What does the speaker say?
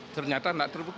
ternyata tidak terbukti